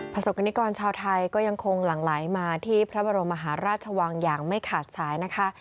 ประสบกรณิกรชาวไทยก็ยังคงหลั่งไหลมาที่พระบรมมหาราชวังอย่างไม่ขาดสายนะคะ